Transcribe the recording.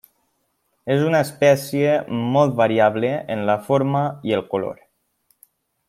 És una espècie molt variable en la forma i el color.